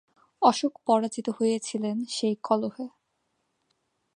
অশোক পরাজিত হয়েছিলেন সেই কলহে।